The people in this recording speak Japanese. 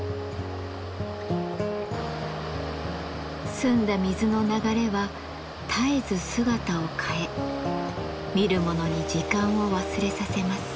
澄んだ水の流れは絶えず姿を変え見る者に時間を忘れさせます。